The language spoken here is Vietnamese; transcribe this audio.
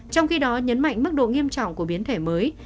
trong khi đó nhấn mạnh mức độ nghiêm trọng của biến thể mới